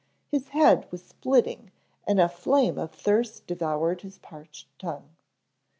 His head was splitting and a flame of thirst devoured his parched tongue.